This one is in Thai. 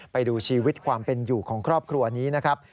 ไปดูชีวิตความเป็นอยู่ของครอบครัวนี้นะครับ